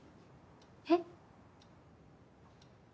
えっ？